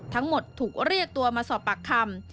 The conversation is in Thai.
ทั้งหมดถูกเรียกตัวมาสอบปากคำ